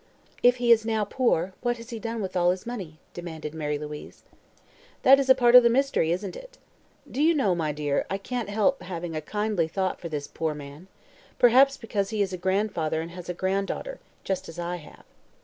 "If he is now poor, what has he done with all his money?" demanded Mary Louise. "That is a part of the mystery, isn't it? Do you know, my dear, I can't help having a kindly thought for this poor man; perhaps because he is a grandfather and has a granddaughter just as I have."